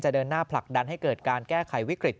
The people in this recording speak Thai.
เดินหน้าผลักดันให้เกิดการแก้ไขวิกฤต